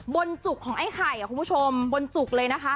จุกของไอ้ไข่คุณผู้ชมบนจุกเลยนะคะ